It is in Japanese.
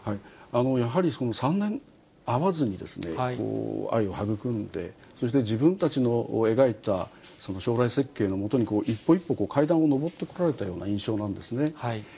やはり３年会わずに愛を育んで、そして自分たちの描いた将来設計のもとに、一歩一歩、階段を上ってこられたような印象なんですね。